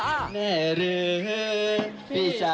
แน่ลืมพี่จ๊ะ